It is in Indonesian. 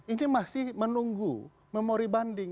ini masih menunggu memori banding